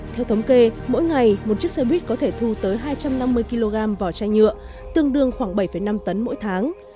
theo thống kê mỗi ngày một chiếc xe buýt có thể thu tới hai trăm năm mươi kg vỏ chai nhựa tương đương khoảng bảy năm tấn mỗi tháng